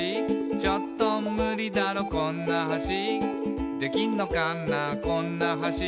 「ちょっとムリだろこんな橋」「できんのかなこんな橋」